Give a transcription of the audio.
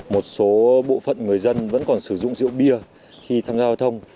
một số bộ phận người dân vẫn còn sử dụng rượu bia khi tham gia giao thông